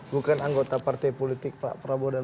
bukan anggota partai politik pak prabowo dan